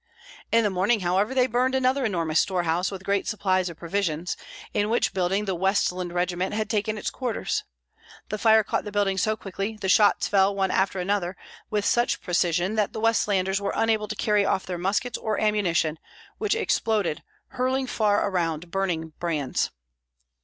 In the morning, however, they burned another enormous storehouse with great supplies of provisions, in which building the Westland regiment had taken its quarters. The fire caught the building so quickly, the shots fell, one after another, with such precision that the Westlanders were unable to carry off their muskets or ammunition, which exploded, hurling far around burning brands.